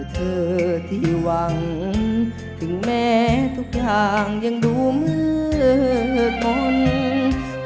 เธอที่หวังถึงแม้ทุกอย่างยังดูมืดทน